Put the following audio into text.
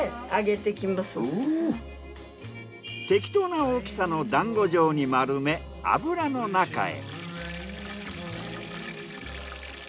適当な大きさの団子状に丸め油の中へ。